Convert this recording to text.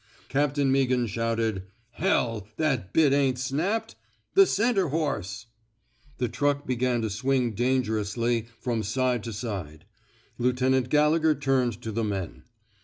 Captain Meaghan shouted: Hell! That bit ain't snapped ! The center horse !'' The truck began to swing dangerously from side to side. Lieutenant Gallegher turned to the men.